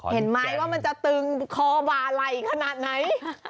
เห็นไหมว่ามันจะตึงคอบาไหล่ขนาดไหน